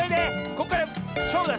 ここからしょうぶだ！